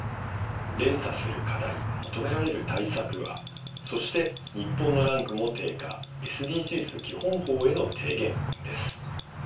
連鎖する課題求められる対策はそして、日本のランクも低下ＳＤＧｓ基本法への提言です。